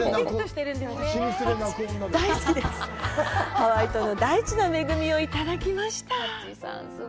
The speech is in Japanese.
ハワイ島の大地の恵みをいただきました。